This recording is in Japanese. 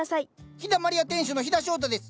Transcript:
陽だまり屋店主の陽田翔太です。